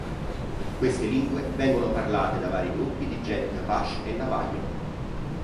Queste lingue vengono parlate da vari gruppi di genti apache e navajo.